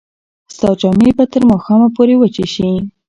ستا جامې به تر ماښامه پورې وچې شي.